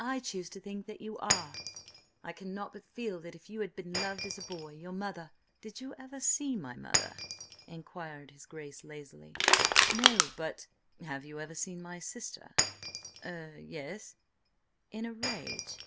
"I choose to think that you are. I cannot but feel that if you had been loved as a boy— Your mother—" "Did you ever see my mother?" inquired his Grace lazily. "No–but—" "Have you ever seen my sister?" "Er–yes—" "In a rage?"